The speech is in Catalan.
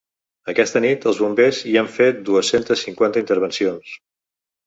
Aquesta nit, els bombers hi han fet dues-centes cinquanta intervencions.